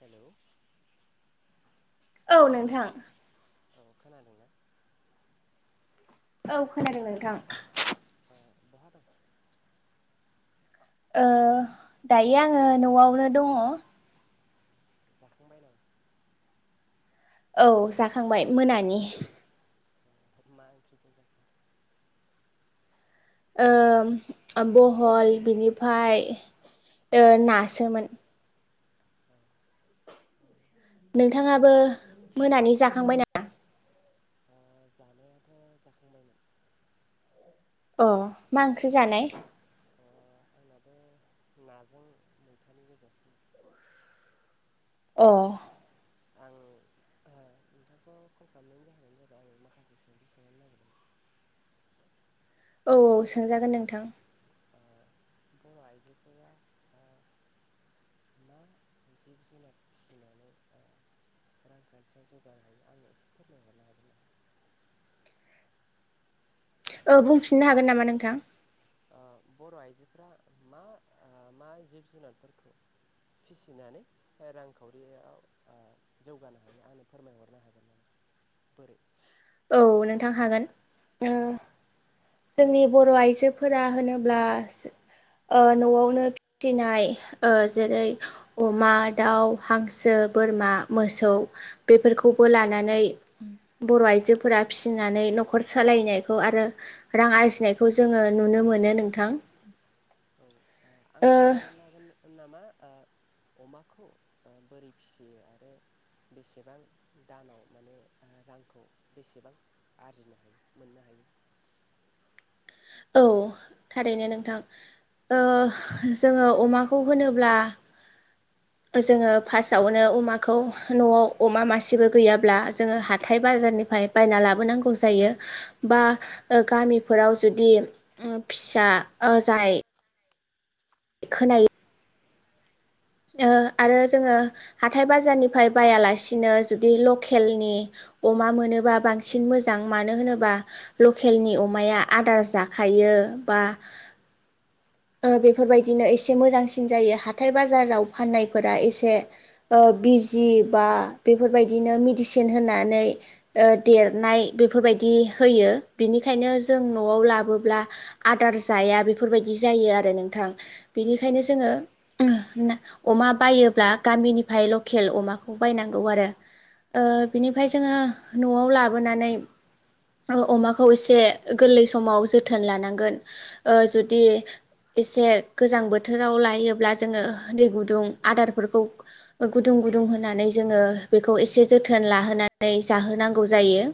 Hello. औ नोंथां। औ खोनादोंना? औ खोनादों नोंथां। ओ दायो आङो नआवनो दङ। जाखांबाय नामा? औ जाखांबाय मोनानि। मा ओंख्रिजों जाखो? ओम बहल बिनिफाय नासोमोन। नोंथाङाबो मोनानि जाखांबाय ना? जानायाथ जाखांबायमोन। अ मा ओंख्रि जानाय? आंनाबो नाजों मैथानि गोजासो। अह आं नोंथांखौ कल खालामनायनि जाहोनानो जाबाय आं माखासे सोंथि सोंहरनो नागिरदोंमोन। औ औ सोंजागोन नोंथां। बर आइजोफोरा मा जिब जुनार फिसिनानै रांखान्थियाव जौगानो हायो आं एसे फोरमायहरनो हागोन नामा? ओ बुंफिननो हागोन नामा नोंथां। बर आइजोफ्रा मा मा जिब जुनारफोरखौ फिसिनानै रांखावरियाव जौगानो हायो आंनो फोरमायहरनो हागोन नामा बोरै। औ नोंथां हागोन जोंनि ओ बर आइजोफोरा होनोब्ला ओ नआवनो फिसिनाय ओ‌ जेरै अमा दाउ हांसो बोरमा मोसौ बेफोरखौबो लानानै बर आइजो फोरा फिसिनानै नखर सालायनायखौ आरो रां आरजिनायखौ जोङो नुनो मोनो नोंथां। आंनो खोन्थाहरनो हागोन ना नामा? ओ अमाखौ बोरै फिसियो आरो बेसेबां दानाव माने रांखौ बेसेबां आरजिनो हायो मोननो हायो। औ थारैनो नोंथां ओह जोङो अमाखौ होनोब्ला जोङो फासआवनो अमाखौ नआव अमा मासेबो गैयाब्ला जोङो हाथाय बाजारनिफाय बायना लाबोनांगौ जायो बा गामिफोराव जुदि बिदि ओ फिसा ओजाय खोनायो। ओ आरो जोङो हाथाय बाजारनिफ्राय बायालासिनो जुदि लकेलनि अमा मोनोबा बांसिन मोजां मानो होनोबा लकेलनि अमाया आदार जाखायो बा ओ बेफोरबायदिनो एसे मोजांसिन जायो हाथाय बाजाराव फाननायफोरा एसे ओ बिजि बा बेफोरबायदिनो मेडिसिन होनानै ओ देरनाय बेफोरबायदि होयो बिनिखायनो जों नआव लाबोब्ला आदार जाया बेफोरबायदि जायो जायो आरो नोंथां। बिनिखायनो जोङो उमह ना अमा बायोब्ला गामिनिफ्राय लकेल अमाखौ बायनांगौ आरो ओह बिनिफ्राय जोङो नआव लाबोनानै अमाखौ एसे गोरलै समाव जोथोन लानांगोन ओ जुदि एसे गोजां बोथोराव लायोब्ला जोङो दै गुदुं आदारफोरखौ गुदुं गुदुं होनानै जोङो बेखौ एसे जोथोन लाहोनानै जाहोनांगौ जायो।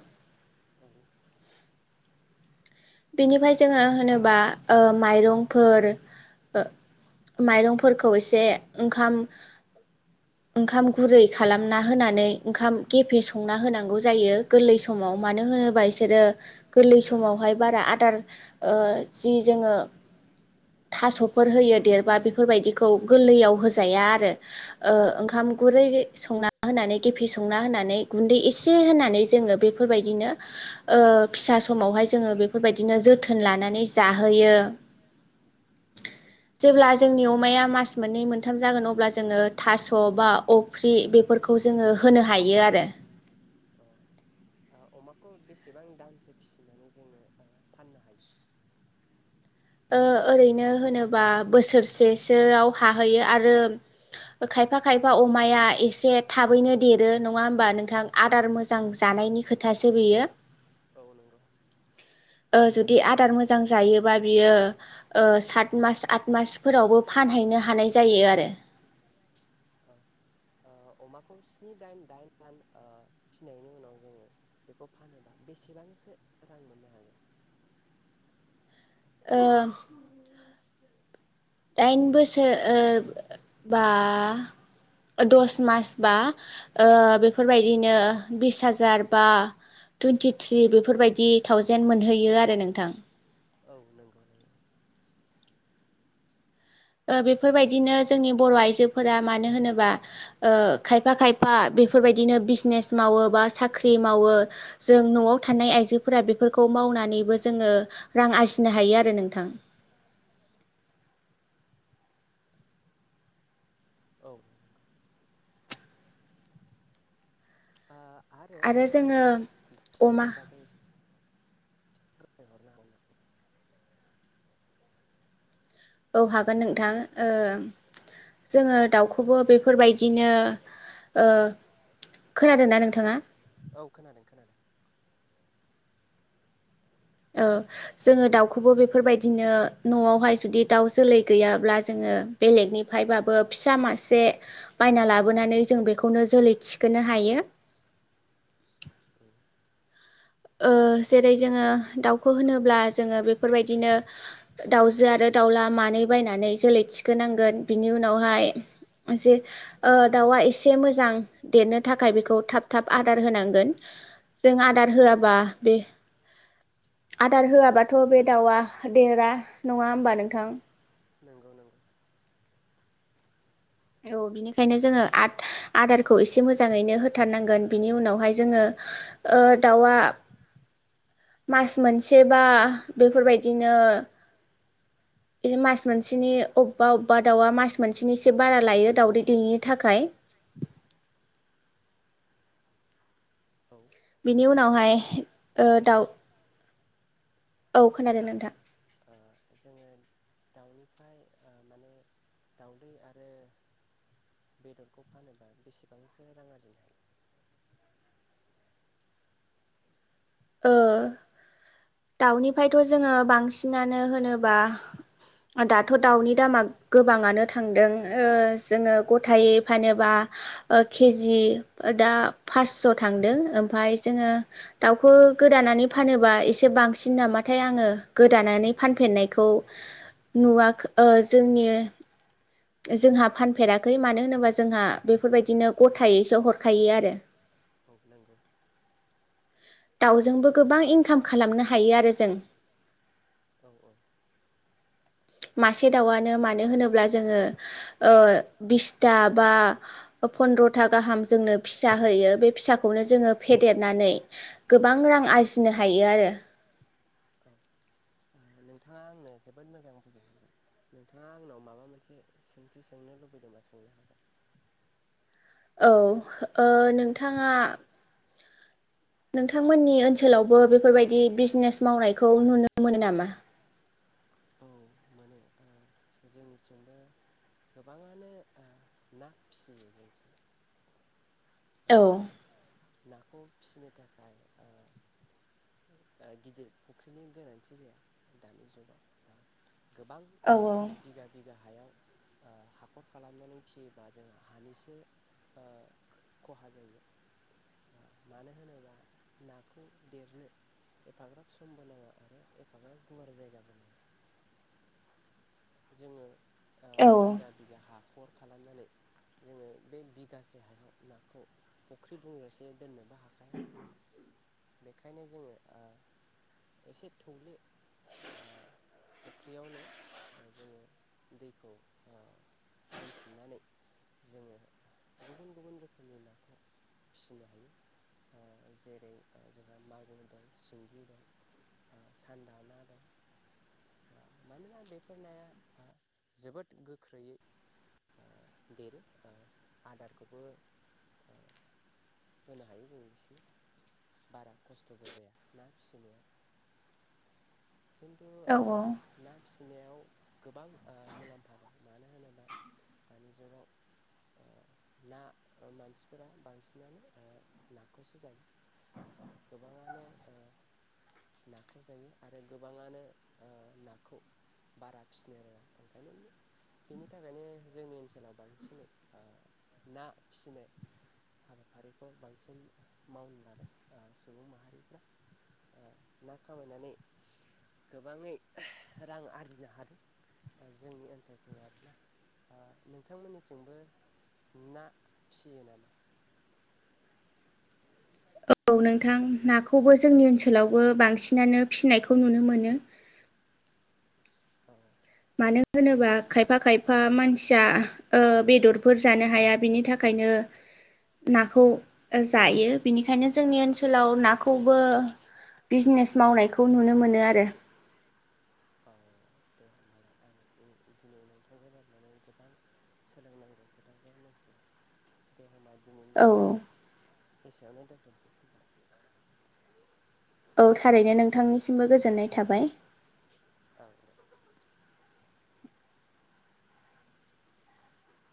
बेनिफाय जोङो होनोबा ओ माइरंफोर ओ माइरंफोरखौ एसे ओंखाम ओंखाम गुरै खालामना होनानै ओंखाम गेफे संना होनांगौ जायो गोरलै समाव मानो होनोबा इसोरो गोरलै समावहाय। बारा आदार ओ‌ जि जोंङो थासफोर होयो देरबा बिफोरबायदिखौ गोरलैयाव होजाया आरो ओ ओंखाम गुरै संना होनानै गेफे संना होनानै गुन्दै एसे होनानै बेफोरबायदिनो ओ फिसा समावहाय जोङो बेफोर बेफोरबायदिनो जोथोन लानानै जाहोयो जेब्ला जोंनि अमाया मास मोननै मोनथाम जागोन अब्ला जोङो थास बा अफ्रि बेफोरखौ जोङो होनो हायो आरो। अमाखौ बेसेबां दानसो फिसिनानै जोङो फाननो हायो? ओ ओरैनो होनोबा बोसोरसेसोआव हाहैयो आरो खायफा खायफा अमाया एसे थाबैनो देरो नङा होमबा नोंथां आदार मोजां मोजां जानायनि खोथासो बेयो। ओ जुदि आदार मोजां जायोबा बियो सात मास आत मासफोरावबो फानहैनो हानाय जायो आरो। अमाखौ स्नि दाइन दाइन दान ओ‌ फिसिनायनि उनाव जोङो बेखौ फानोबा बेसेबांसो रां मोननो हायो ओ दाइन बोसोर ओ बा दस मासबा ओ बेफोरबायदिनो बिस हाजार बा टुइनतिन्थ्रि बेफोरबायदि थावजेेन मोनहैयो आरो नोंथां औ नंगौ नंगौ ओ बेफोरबायदिनो जोंनि बर आइजोफोरा मानो होनोबा ओ खायफा खायफा बेफोरबायदिनो बिजनेस मावो बा साख्रि मावो जों नआव थानाय आइजोफोरा बेफोरखौ मावनानैबो जोङो रां आरजिनो हायो आरो नोंथां औ आरो आंनो ओ दिनैनि बागै औ हागोन नोंथां ओ जोङो दाउखौबो बेफोरबायदिनो ओ खोनादोंना नोंथाङा औ खोनादों खोनादों ओ जोङो दाउखौबो बेफोरबायदिनो न'आवहाय जुदि दाउ जोलै गैयाब्ला जोङो बेलेगनिफायबाबो फिसा मासे बायना लाबोनानै जों बेखौनो जोलै थिखोनो हायो ओ जेरै जोङो दाउखौ होनोब्ला जोङो बेफोरबायदिनो दाउजो आरो दावला मानै बायनानै जोलै थिखोनांगोन बिनि उनावहाय जे ओ दाउआ एसे मोजां देरनो थाखाय बेखौ थाब थाब आदार होनांगोन जों आदार होआ बा बे आदार होआबाथ' बे दाउआ देरा नङा होमबा नोंथां नंगौ नंगौ औ बिनिखायनो जोङो आद आदारखौ एसे मोजाङैनो होथारनांगोन बिनि उनावहाय जोङो ओ दाउआ मास मोनसेबा बेफोरबायदिनो बिनो मास मोनसेनि अबेबा अबेबा दाउआ मास मोनसेनिसो बारा लायो दावदै दैनो थाखाय औ बिनि उनावहाय ओ दाउ औ खोनादों नोंथां जोङो दाउनिफ्राय माने दाउदै आरो बेदरखौ फानोबा बेसेबांसो रां आरजिनो हायो ओ दाउनिफ्रायथ' जोङो बांसिनानो होनोबा दाथ' दाउनि दामा गोबाङानो थांदों ओ जोङो गथायै फानोबा ओ केजि दा फासस' थांदों ओमफाय जोङो दाउ खौ गोदानानै फानोबा एसे बांसिन नामाथाय आङो गोदानानै फानफेरनायखौ नुवाखै जोंनि जोंहा फानफेराखै मानो होनोबा जोंहा बेफोरबायदिनो गथायैसो हरखायो आरो दाउजोंबो गोबां इनकाम खालामनो हायो आरो जों मासे दाउआनो मानो होनोब्ला जोङो ओ बिसथा बा फनद्रथा गाहाम जोंनो फिसा होयो बे फिसाखौनो जोङो फेदेरनानै गोबां रां आरजिनो हायो आरो नोंथाङा आंनो जोबोद मोजां बुजाय हरबाय नोंथाङा आंनाव माबा मोनसे सोंथि सोंनो लुबैदोंबा सोंनो हागोन औ ओ नोंथाङा नोंथांमोननि ओनसोलावबो बेफोरबायदि बिजनेस मावनायखौ नुनो मोनो नामा जोंनिथिंबो गोबाङानो ओ ना फिसियो जोंनिथिं औ नाखौ फिसिनो थाखाय ओ गिदिर फुख्रिनि गोनांथि जाया दानि जुगाव गोबां ओ बिगा बिगा हायाव ओ हाखर खालामनानै फिसियोबा जोंहा हानिसो ओ खहा जायो ओ मानो होनोबा नाखौ देरनो एफाग्राब समबो नाङा आरो एफाग्राब गुवार जायगाबो नाङा जोङो ओ बिगा बिगा हा खर खालामनानै जोङो बे बिगासे हायाव नाखौ फख्रि बुंजासे दोननोबो हाखाया बेखायनो जोङो ओ एसे थौले ओ फुख्रियावनो जोङो दैखौ ओ दोनथुमनानै जोङो गुबुन गुबुन रोखोमनि नाखौ फिसिनो हायो ओ जेरै जोंहा मागुर दं सिंगि दं ओ सान्दा ना दं मानोना बे बेफोर नाया ओ‌ जोबोद गोख्रैयै ओ देरो ओ आदारखौबो ओ होनो हायो जों बिसोरनो बारा खस्थ'बो जाया ना फिसिनायाव खिन्थु ओ ना फिसिनायाव गोबां ओ मुलाम्फा दं मानो होनोबा दानि जुगाव ओ ना मानसिफोरा बांसिनानो ओ नाखौसो जायो गोबाङानो ओ नाखौ जायो आरो गोबाङानो ओ नाखौ बारा फिसिनो रोङा ओंखायनो बेनि थाखायनो जोंनि ओनसोलाव बांसिनै ओ ना फिसिनाय हाबाफारिखौ बांसिन मावनो लादों ओ सुबुं माहारिफ्रा ओ ना खामायनानै गोबाङै रां आरजि फिनो हादों जोंनि ओनसोलथिं आरो ना ओ नोंथांमोननिथिंबो ना फियो नामा औ नोंथां नाखौबो जोंनि ओनसोलावबो बांसिनानो फिनायखौ नुनो मोनो औ मानो होनोबा खायफा खायफा मानसिया ओ बेदरफोर जानो हाया बिनि थाखायनो नाखौ जायो बिनिखायनो जोंनि ओनसोलाव नाखौबो बिजनेस मावनायखौ नुनो मोनो आरो नोंथांजों रायज्लनानै गोबां सोलोंनांगौ खोथाफोर मिथिबाय दे होमबालाय दिनैनि थाखाय एसेयावनो दोन्थ'सै औ थारैनो नोंथांनिसिमबो गोजोननाय थाबाय औ।